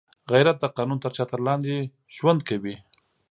غیرت د قانون تر چتر لاندې ژوند کوي